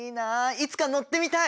いつか乗ってみたい！